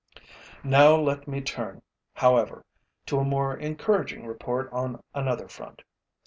Now let me turn, however, to a more encouraging report on another front.